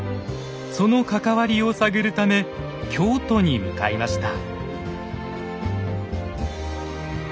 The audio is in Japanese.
その関わりを探るため京都に向かいました。